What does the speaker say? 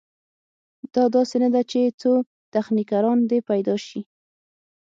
دا داسې نه ده چې څو تخنیکران دې پیدا شي.